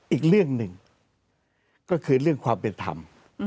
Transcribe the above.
อีกเรื่องหนึ่งก็คือเรื่องความเป็นธรรม